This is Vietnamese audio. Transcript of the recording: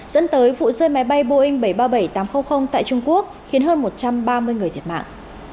dẫn tới vụ rơi máy bay boeing bảy trăm ba mươi bảy tám trăm linh tại trung quốc khiến hơn một trăm ba mươi người thiệt mạng